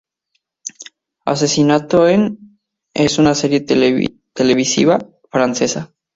Asesinato en... es una serie televisiva francesa.